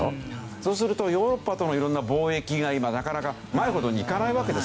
そうするとヨーロッパとの色んな貿易が今なかなか前ほどにいかないわけですよ。